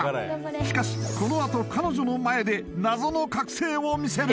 しかしこのあと彼女の前で謎の覚醒をみせる！